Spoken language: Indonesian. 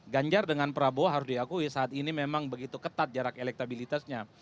ganjar dengan prabowo harus diakui saat ini memang begitu ketat jarak elektabilitasnya